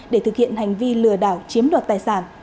để thực hiện hành vi lừa đảo chiếm đoạt tài sản